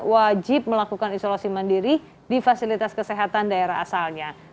wajib melakukan isolasi mandiri di fasilitas kesehatan daerah asalnya